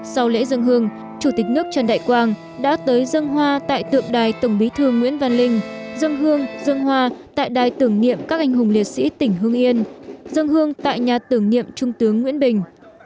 sau lễ dân hương chủ tịch nước trần đại quang đã tới dân hoa tại tượng đài tổng bí thư nguyễn văn linh dân hương dân hoa tại đài tưởng niệm các anh hùng liệt sĩ tỉnh hương yên dân hương tại nhà tưởng niệm trung tướng nguyễn bình